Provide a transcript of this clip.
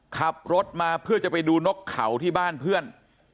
ขับรถมาเพื่อจะไปดูนกเขาที่บ้านเพื่อน